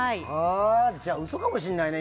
じゃあ、嘘かもしれないね